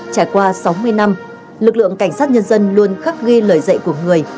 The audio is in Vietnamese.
trải qua sáu mươi năm lực lượng cảnh sát nhân dân luôn khắc ghi lời dạy của người